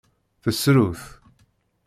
Tessru-t.